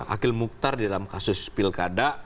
akhil mukhtar di dalam kasus pilkada